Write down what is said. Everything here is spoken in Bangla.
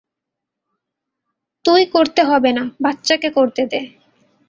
তুই করতে হবে না, বাচ্চাকে করতে দে।